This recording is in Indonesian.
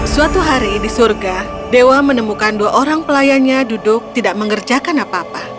suatu hari di surga dewa menemukan dua orang pelayannya duduk tidak mengerjakan apa apa